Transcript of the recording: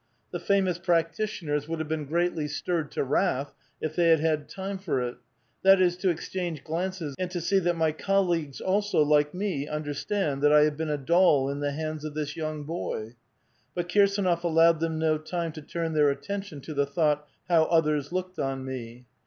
The famous practitioners would have been greatly stirred to wrath, if they had had time for it ; that is, to exchange glances, and to see that J' my colleagues also like me under stand that I have been a doll in the hands of this young boy." But Kirsdnof allowed them no time to turn their attention to the thought, " how otliers looked on me."